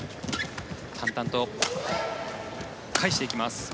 淡々と返していきます。